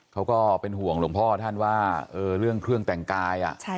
ก็เป็นห่วงหลวงพ่อท่านว่าเรื่องเครื่องแต่งกาย